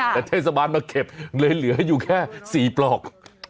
แต่เทศบาลมาเก็บเลยเหลืออยู่แค่๔ปลอก